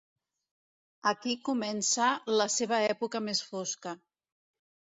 Aquí començà la seva època més fosca.